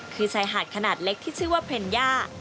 คือชายหาดขนาดเล็กที่ชื่อว่าเพลนย่า